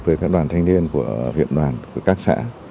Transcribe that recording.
về các đoàn thanh niên của huyện đoàn của các xã